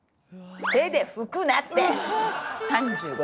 手で拭くなって！